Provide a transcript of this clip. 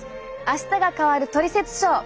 「あしたが変わるトリセツショー」